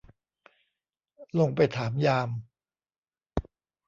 ลงไปถามยาม